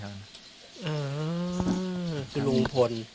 เป็นลูกพล